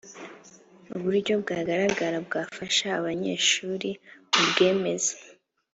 uburyo bugaragara bwafasha abanyeshuri mubwemeze.